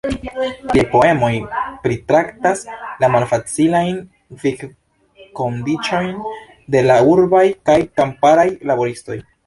Liaj poemoj pritraktas la malfacilajn vivkondiĉojn de la urbaj kaj kamparaj laboristoj.